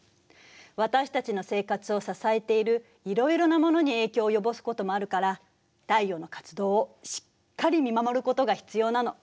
私たちの生活を支えているいろいろなものに影響を及ぼすこともあるから太陽の活動をしっかり見守ることが必要なの。